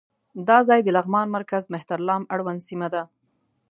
دا ځای د لغمان مرکز مهترلام اړوند سیمه ده.